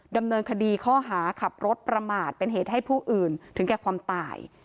ดำเนินคดีข้อหาขับรถประมาทเป็นเหตุให้ผู้อื่นถึงแก่ความตาย